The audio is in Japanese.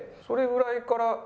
それぐらいから。